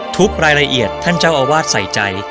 ทุกรายละเอียดท่านเจ้าอาวาสใส่ใจ